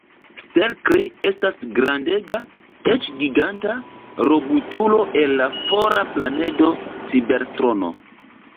Stelkri estas grandega, eĉ giganta, robotulo el la fora planedo Cibertrono.